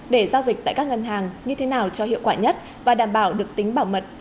để giao dịch tại các ngân hàng như thế nào cho hiệu quả nhất và đảm bảo được tính bảo mật